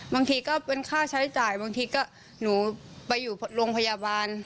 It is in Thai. ก็เป็นค่าใช้จ่ายบางทีก็หนูไปอยู่โรงพยาบาล